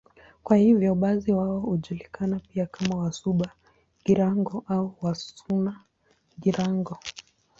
Kwa hiyo basi wao hujulikana pia kama Wasuba-Girango au Wasuna-Girango.